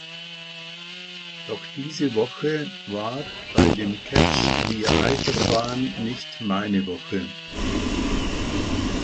Doch diese Woche war bei dem catch-the-eye-Verfahren nicht meine Woche.